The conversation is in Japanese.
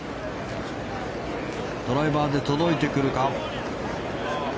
ドライバーで届いてくるか。